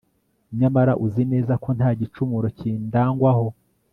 nyamara uzi neza ko nta gicumuro kindangwaho